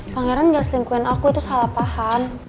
pangeran gak selingkuhin aku itu salah paham